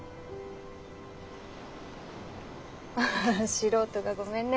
素人がごめんね。